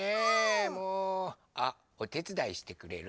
もうあっおてつだいしてくれる？